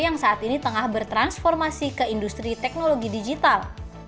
yang saat ini tengah bertransformasi ke industri teknologi digital